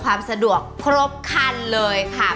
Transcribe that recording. ความสะดวกครบคันเลยค่ะ